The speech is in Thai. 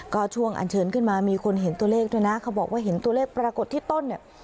ก็ช่วงอันเชิญขึ้นมามีคนเห็นตัวเลขด้วยนะเขาบอกว่าเห็นตัวเลขปรากฏที่ต้นเนี่ย